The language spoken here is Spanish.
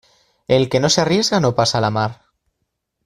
El que no se arriesga no pasa la mar.